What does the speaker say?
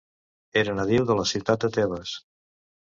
Era nadiu de la ciutat de Tebes.